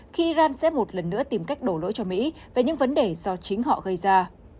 khi iran sẽ một lần nữa tìm cách đổ lỗi cho mỹ về những vấn đề do chính họ gây ra